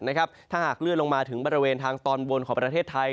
ถ้าหากเลื่อนลงมาถึงบริเวณทางตอนบนของประเทศไทย